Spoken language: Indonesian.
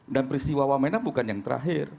dan peristiwa wamena bukan yang terakhir